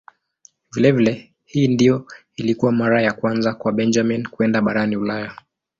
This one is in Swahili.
Vilevile hii ndiyo ilikuwa mara ya kwanza kwa Benjamin kwenda barani Ulaya.